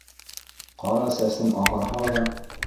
Ҡара сәсем ағарһа ла